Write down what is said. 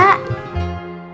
klo diama gak masalah